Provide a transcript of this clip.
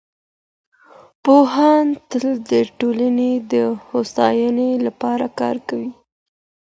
پوهان تل د ټولني د هوساینې لپاره کار کوي.